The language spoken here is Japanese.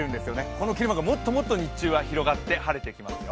この切れ間がもっともっと日中は晴れてきますよ。